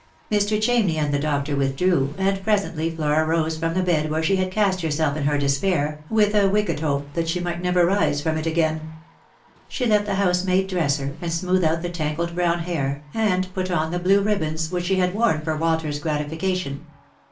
Mr. Chamney and the doctor withdrew, and presently Flora rose from the bed where she had cast herself in her despair, with a wicked hope that she might never rise from it again. She let the housemaid dress her, and smooth out the tangled brown hair, and put on the blue ribbons which she had worn for Walter's gratification.